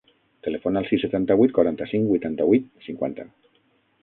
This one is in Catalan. Telefona al sis, setanta-vuit, quaranta-cinc, vuitanta-vuit, cinquanta.